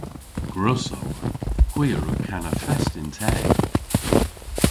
Gwrussowgh. Hwi a wrug kana fest yn teg.